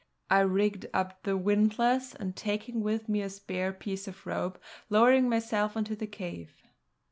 I rigged up the windlass, and taking with me a spare piece of rope lowered myself into the cave.